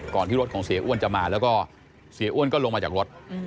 ที่รถของเสียอ้วนจะมาแล้วก็เสียอ้วนก็ลงมาจากรถ